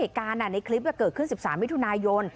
เหตุการณ์ในคลิปเกิดขึ้น๑๓มิถุนายน